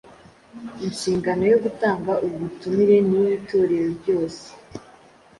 Inshingano yo gutanga ubu butumire ni iy’Itorero ryose.